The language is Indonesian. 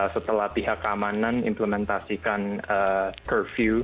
setelah pihak keamanan implementasikan curfew hmm